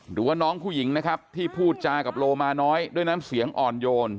หรือว่าน้องผู้หญิงนะครับที่พูดจากับโลมาน้อยด้วยน้ำเสียงอ่อนโยน